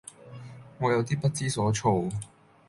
我有啲不知所措